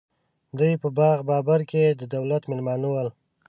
دوی په باغ بابر کې د دولت مېلمانه ول.